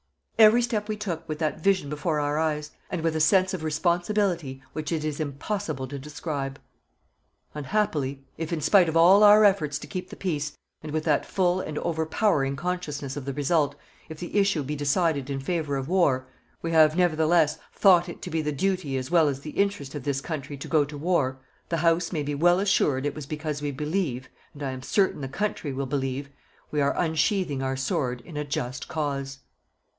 Every step we took with that vision before our eyes, and with a sense of responsibility which it is impossible to describe. Unhappily, if in spite of all our efforts to keep the peace, and with that full and overpowering consciousness of the result, if the issue be decided in favour of war, we have, nevertheless, thought it to be the duty as well as the interest of this country to go to war, the House may be well assured it was because we believe, and I am certain the Country will believe, we are unsheathing our sword in a just cause.